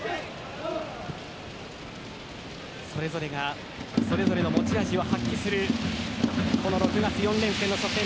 それぞれがそれぞれの持ち味を発揮するこの６月４連戦の初戦